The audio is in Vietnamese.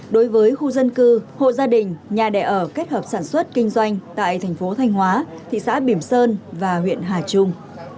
đối với khu dân cư hộ gia đình nhà đẻ ở kết hợp sản xuất kinh doanh tại thành phố thanh hóa thị xã bìm sơn và huyện hà trung